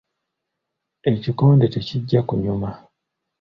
Ekikonde tekijja kunyuma.